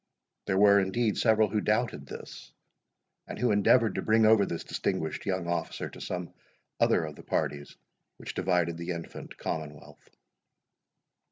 There were, indeed, several who doubted this, and who endeavoured to bring over this distinguished young officer to some other of the parties which divided the infant Commonwealth.